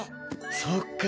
そっか。